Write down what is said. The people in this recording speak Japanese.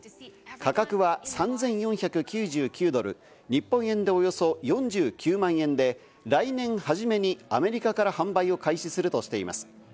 価格は３４９９ドル、日本円でおよそ４９万円で来年初めにアメリカから販売を開始するといいます。